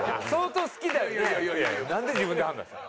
なんで自分で判断したん？